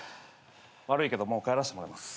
悪いけどもう帰らせてもらいます。